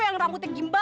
yang rambutnya gimbal